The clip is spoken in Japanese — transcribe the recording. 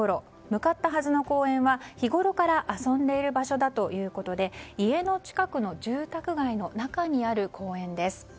向かったはずの公園は日ごろから遊んでいる場所だということで家の近くの住宅街の中にある公園です。